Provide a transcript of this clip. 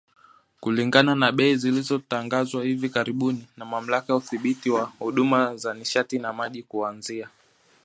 Kulingana na bei zilizotangazwa hivi karibuni na Mamlaka ya Udhibiti wa Huduma za Nishati na Maji kuanzia